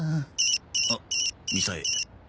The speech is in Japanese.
あっみさえ。